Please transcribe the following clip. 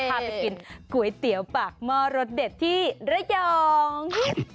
พาไปกินก๋วยเตี๋ยวปากหม้อรสเด็ดที่ระยอง